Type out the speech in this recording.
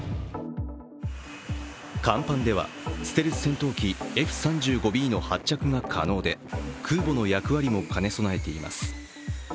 甲板ではステルス戦闘機Ｆ３５Ｂの発着が可能で空母の役割も兼ね備えています。